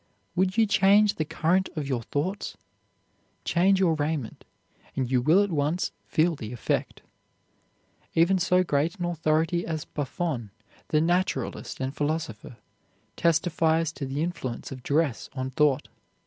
"Would you change the current of your thoughts? Change your raiment, and you will at once feel the effect." Even so great an authority as Buffon, the naturalist and philosopher, testifies to the influence of dress on thought.